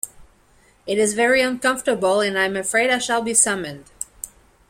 It is very uncomfortable, I am afraid I shall be summoned.